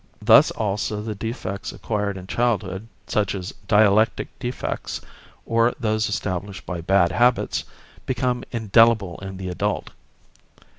` Thus also the defects acquired in childhood such as dialectic defects or those established by bad habits, become indelible in the adult.